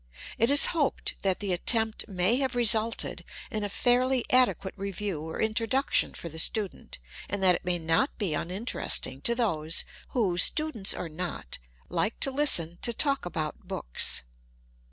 It is hoped that the attempt may have residted in a fairly adequate review or introduction for the student, and that it may be not uninter esting to those who, students or not, like to listen to talk about books.